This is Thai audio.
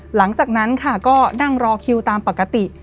หลังจากนั้นค่ะก็นั่งรอคิวตามปกติ